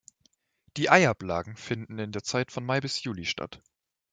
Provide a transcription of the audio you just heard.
Die Eiablagen finden in der Zeit von Mai bis Juli statt.